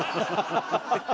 ハハハハ！